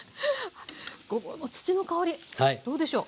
ごぼうの土の香りどうでしょう？